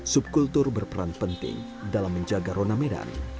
subkultur berperan penting dalam menjaga rona medan